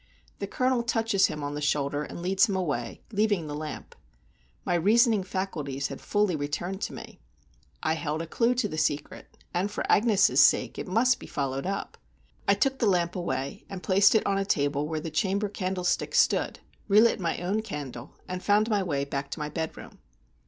The Colonel touches him on the shoulder, and leads him away, leaving the lamp. My reasoning faculties had fully returned to me. I held a clue to the secret, and for Agnes' sake it must be followed up. I took the lamp away, and placed it on a table where the chamber candlesticks stood, relit my own candle, and found my way back to my bedroom.